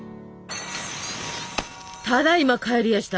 ただいま帰りやした。